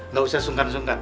gak usah sungkan sungkan